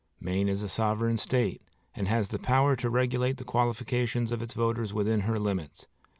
Maine is a sovereign State, and has the power to regulate the qualifications of voters within her limits.